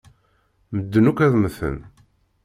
Medden akk ad mmten.